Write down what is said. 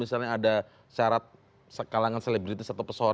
misalnya ada syarat kalangan selebritis atau pesawat